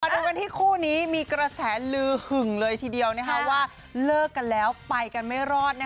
ดูกันที่คู่นี้มีกระแสลือหึงเลยทีเดียวว่าเลิกกันแล้วไปกันไม่รอด